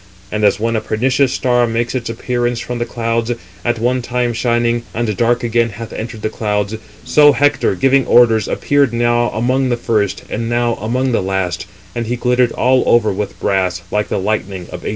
And as when a pernicious star makes its appearance from the clouds, at one time shining, and dark again hath entered the clouds; so Hector, giving orders, appeared now among the first, and now among the last; and he glittered all over with brass, like the lightning of ægis bearing Jove.